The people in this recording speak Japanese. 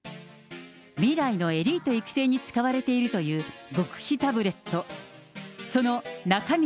未来のエリート育成に使われているという極秘タブレット。